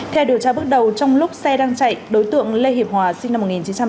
theo điều tra bước đầu trong lúc xe đang chạy đối tượng lê hiệp hòa sinh năm một nghìn chín trăm tám mươi